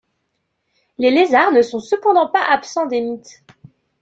Les lézards ne sont cependant pas absents des mythes.